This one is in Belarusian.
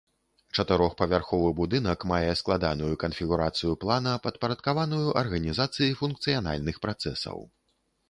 Чатырохпавярховы будынак мае складаную канфігурацыю плана, падпарадкаваную арганізацыі функцыянальных працэсаў.